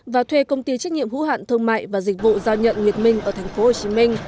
và thuê công ty trách nhiệm hữu hạn thương mại và dịch vụ giao nhận việt minh ở thành phố hồ chí minh